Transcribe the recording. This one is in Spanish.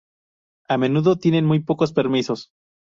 A menudo tienen muy pocos permisos.